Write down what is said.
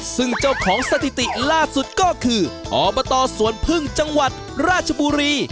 ซึ่งเจ้าของสถิติล่าสุดก็คืออบตสวนพึ่งจังหวัดราชบุรี